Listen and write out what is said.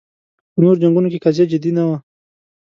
په نورو جنګونو کې قضیه جدي نه وه